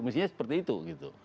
mestinya seperti itu gitu